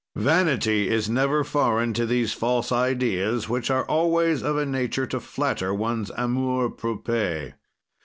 "Vanity is never foreign to these false ideas, which are always of a nature to flatter one's amour propre.